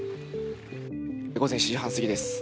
午前７時半過ぎです。